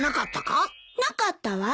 なかったわ。